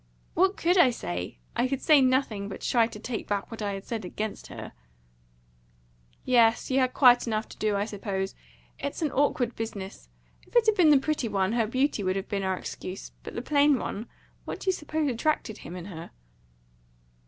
"What could I say? I could do nothing, but try to take back what I had said against her." "Yes, you had quite enough to do, I suppose. It's an awkward business. If it had been the pretty one, her beauty would have been our excuse. But the plain one what do you suppose attracted him in her?"